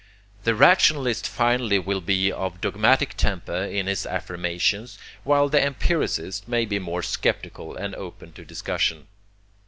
The rationalist finally will be of dogmatic temper in his affirmations, while the empiricist may be more sceptical and open to discussion.